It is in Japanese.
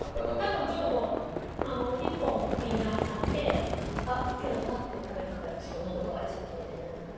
多分ちょっとこう１本みんな買ってあっけど立って食べてたらちょっとのど渇いちゃったみたいになるから。